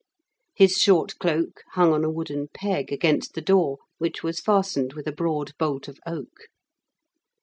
His short cloak hung on a wooden peg against the door, which was fastened with a broad bolt of oak.